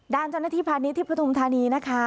ด้านเจ้าหน้าที่พาดนิทิพธุมธานีนะคะ